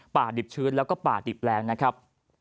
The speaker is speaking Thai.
ป่าดิบชื้นและป่าดิบแรงนะครับ